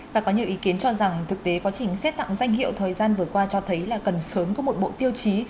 và có nhiều ý kiến cho rằng thực tế quá trình xét tặng danh hiệu thời gian vừa qua cho thấy là cần sớm có một bộ tiêu chí